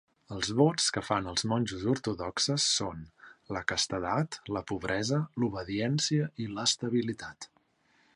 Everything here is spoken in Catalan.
Els vots que fan els monjos ortodoxes són: la castedat, la pobresa, l'obediència i l'estabilitat.